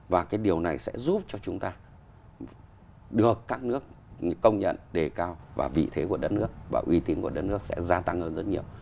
và cái điều này sẽ giúp cho chúng ta được các nước công nhận đề cao và vị thế của đất nước và uy tín của đất nước sẽ gia tăng hơn rất nhiều